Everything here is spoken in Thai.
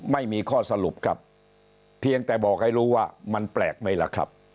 ไม่มีข้อสรุปครับเพียงแต่บอกให้รู้ว่ามันแปลกไหมล่ะครับ